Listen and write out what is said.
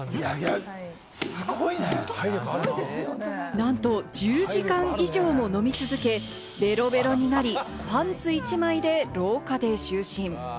なんと１０時間以上も飲み続け、ベロベロになり、パンツ１枚で、廊下で就寝。